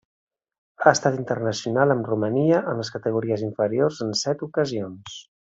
Ha estat internacional amb Romania en les categories inferiors en set ocasions.